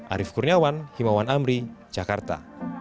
arief kurniawan himawan amri jakarta